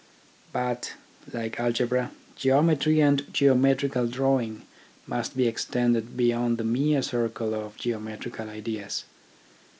But, like Algebra, Geometry and Geometrical Drawing must be extended beyond the mere circle of geometrical ideas.